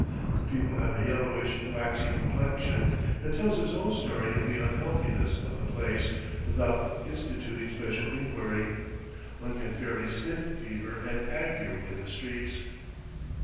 The people have a yellowish, waxy complexion that tells its own story of the unhealthiness of the place, without instituting special inquiry. One can fairly sniff fever and ague in the streets.